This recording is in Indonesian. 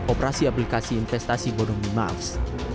operasi aplikasi investasi bodong di mals